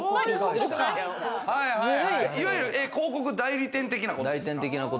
いわゆる広告代理店的なことですか？